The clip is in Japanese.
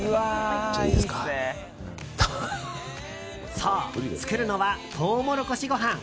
そう、作るのはトウモロコシご飯。